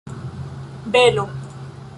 belo